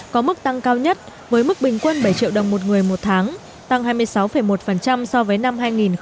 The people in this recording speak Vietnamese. có mức tăng cao nhất với mức bình quân bảy triệu đồng một người một tháng tăng hai mươi sáu một so với năm hai nghìn một mươi